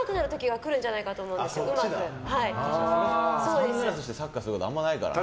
サングラスしてサッカーすることないからな。